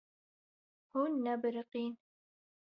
Hûn nebiriqîn.